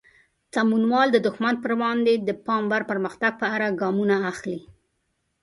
سمونوال د دښمن پر وړاندې د پام وړ پرمختګ په اړه ګامونه اخلي.